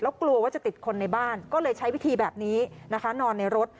กลัวว่าจะติดคนในบ้านก็เลยใช้วิธีแบบนี้นะคะนอนในรถ